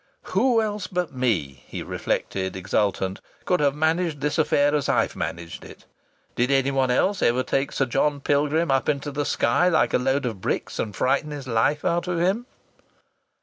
"Who else but me," he reflected, exultant, "could have managed this affair as I've managed it? Did anyone else ever take Sir John Pilgrim up into the sky like a load of bricks, and frighten his life out of him?"